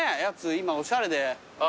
今おしゃれで。